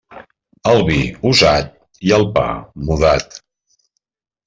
El vi, usat; i el pa, mudat.